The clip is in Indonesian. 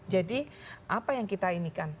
jadi apa yang kita inikan